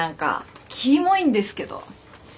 キモいんですけど。